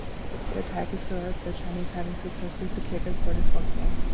The attack is thwarted, the Chinese having successfully secured their borders once more.